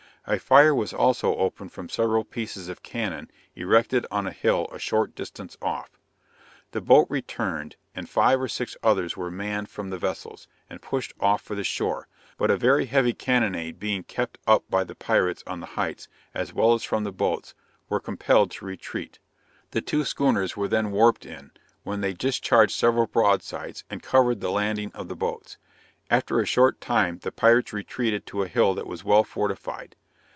A fire was also opened from several pieces of cannon erected on a hill a short distance off. The boat returned, and five or six others were manned from the vessels, and pushed off for the shore, but a very heavy cannonade being kept up by the pirates on the heights, as well as from the boats, were compelled to retreat. The two schooners were then warped in, when they discharged several broadsides, and covered the landing of the boats. After a short time the pirates retreated to a hill that was well fortified.